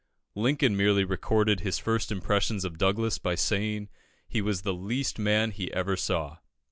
Lincoln merely recorded his first impressions of Douglas by saying he was the least man he ever saw.